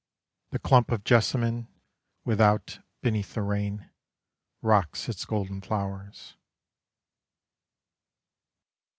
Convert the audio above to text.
The clump of jessamine Without, beneath the rain, Rocks its golden flowers.